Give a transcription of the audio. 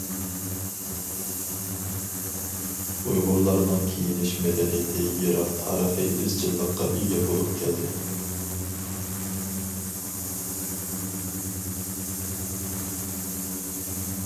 ئۇيغۇرلارنىڭ كىيىنىش مەدەنىيىتى يىراق تارىخىي ئىزچىللىققا ئىگە بولۇپ كەلدى.